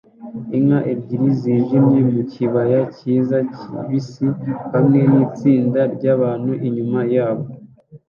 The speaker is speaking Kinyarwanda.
Inka ebyiri zijimye mu kibaya cyiza kibisi hamwe nitsinda ryabantu inyuma yabo